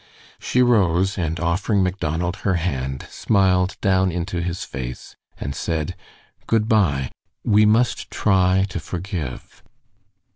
She rose, and offering Macdonald her hand, smiled down into his face, and said: "Good by! We must try to forgive."